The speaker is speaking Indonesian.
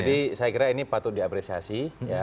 jadi saya kira ini patut diapresiasi